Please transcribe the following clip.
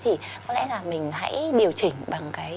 thì có lẽ là mình hãy điều chỉnh bằng cái